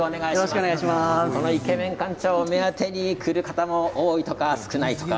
このイケメン館長を目当てに来る方も多いとか少ないとか。